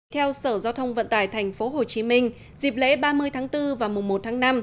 theo sở giao thông vận tải tp hcm dịp lễ ba mươi tháng bốn và mùa một tháng năm